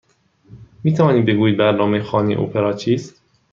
می توانید بگویید برنامه خانه اپرا چیست؟